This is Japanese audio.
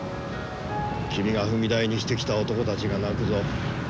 君が踏み台にしてきた男たちが泣くぞ。